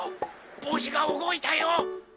ぼうしがうごいたよ！